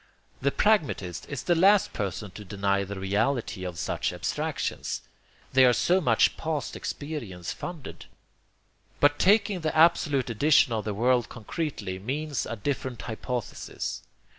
The pragmatist is the last person to deny the reality of such abstractions. They are so much past experience funded. But taking the absolute edition of the world concretely means a different hypothesis.